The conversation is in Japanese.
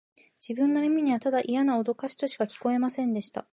自分の耳には、ただイヤなおどかしとしか聞こえませんでした